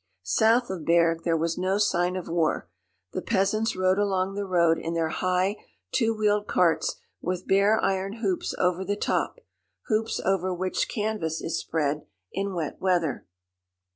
South of Bergues there was no sign of war. The peasants rode along the road in their high, two wheeled carts with bare iron hoops over the top, hoops over which canvas is spread in wet weather.